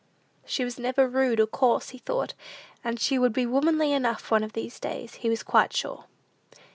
She was never rude or coarse, he thought; and she would be womanly enough one of these days, he was quite sure.